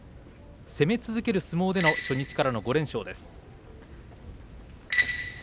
攻め続ける相撲での初日からの５連勝です。